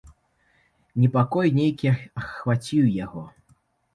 Непакой нейкі ахваціў яго.